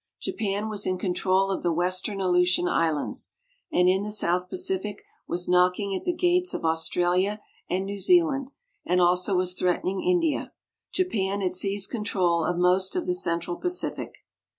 Japan was in control of the western Aleutian Islands; and in the South Pacific was knocking at the gates of Australia and New Zealand and also was threatening India. Japan had seized control of most of the Central Pacific.